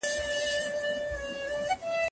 د قرآن کريم سره سرود ږغول، د کفر سبب دی؛